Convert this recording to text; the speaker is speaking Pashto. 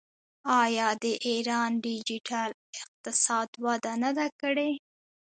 آیا د ایران ډیجیټل اقتصاد وده نه ده کړې؟